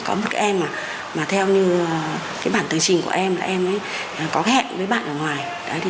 có một em mà theo như bản tương trình của em em có hẹn với bạn ở ngoài